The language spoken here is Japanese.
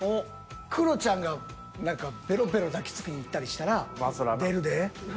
クロちゃんがベロベロ抱きつきに行ったりしたら出るで。